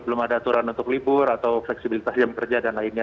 belum ada aturan untuk libur atau fleksibilitas jam kerja dan lainnya